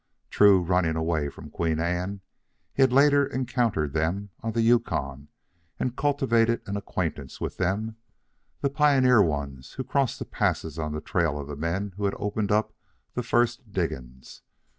True, running away from Queen Anne, he had later encountered them on the Yukon and cultivated an acquaintance with them the pioneer ones who crossed the passes on the trail of the men who had opened up the first diggings.